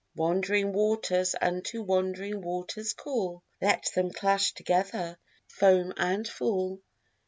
Wandering waters unto wandering waters call; Let them clash together, foam and fall.